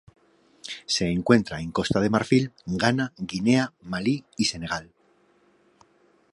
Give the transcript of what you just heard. Se encuentra en Costa de Marfil, Ghana, Guinea, Malí y Senegal.